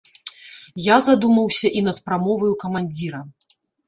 Я задумаўся і над прамоваю камандзіра.